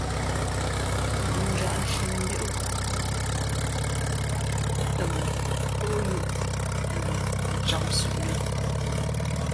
Mǒʼ njanshǐ mbéʼ ó tα mα pά o yūʼ mbα cām sʉ̄ʼ lᾱ.